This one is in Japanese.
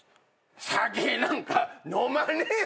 酒なんか飲まねえ俺は！